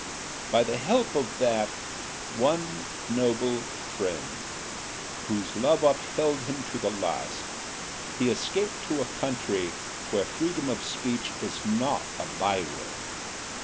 By the help of that one noble friend, whose love upheld him to the last, he escaped to a country where freedom of speech is not a byword.